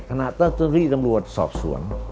ขณะต้นที่ตำรวจสอบสวน